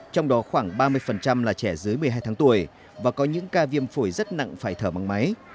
trong đó khoảng ba mươi là trẻ dưới một mươi hai tháng tuổi và có những ca viêm phổi rất nặng phải thở bằng máy